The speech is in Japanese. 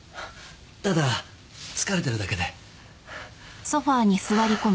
ただ疲れてるだけで。